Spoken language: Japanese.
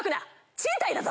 賃貸だぞ？